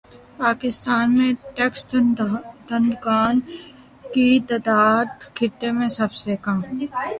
پاکستان میں ٹیکس دہندگان کی تعداد خطے میں سب سے کم